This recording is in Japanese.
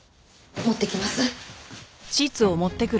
持ってきます。